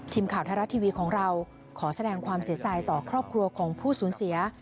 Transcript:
ทีมข่าวไทยรัฐทีวีของเราขอแสดงความเสียใจต่อครอบครัวของผู้สูญเสีย